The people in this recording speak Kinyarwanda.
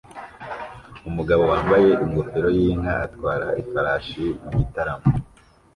Umugabo wambaye ingofero yinka atwara ifarashi mu gitaramo